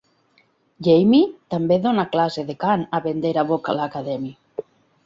Jaimie també dona classe de cant a Vendera Vocal Academy.